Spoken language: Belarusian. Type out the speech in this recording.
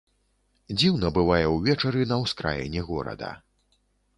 Дзіўна бывае ўвечары на ўскраіне горада.